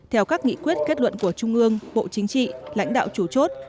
theo các nghị quyết kết luận của trung ương bộ chính trị lãnh đạo chủ chốt